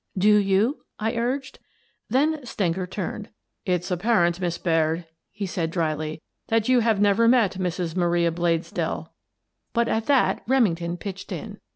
"Do you?" I urged. Then Stenger turned. " It's apparent, Miss Baird," he said, drily, " that you have never met Mrs. Maria Bladesdell." But at that Remington pitched in.